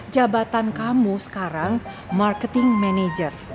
jabatan kamu sekarang marketing manager